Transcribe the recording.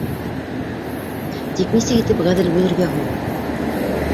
Тик нисек итеп ғәҙел бүлергә һуң?